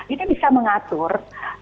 ini bisa mengatur